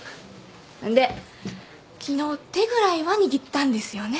で昨日手ぐらいは握ったんですよね。